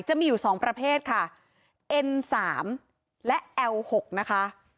จะมีอยู่สองประเภทค่ะเอ็นสามและแอล๖นะคะ